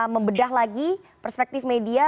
membedah lagi perspektif media